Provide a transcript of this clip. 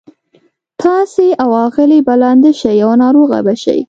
تاسي او آغلې به لانده شئ او ناروغه به شئ.